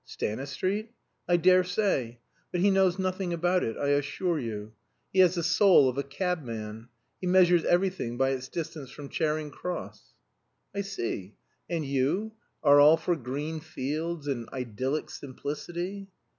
"Stanistreet? I daresay. But he knows nothing about it, I assure you. He has the soul of a cabman. He measures everything by its distance from Charing Cross." "I see. And you are all for green fields and idyllic simplicity?"